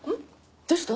どうした？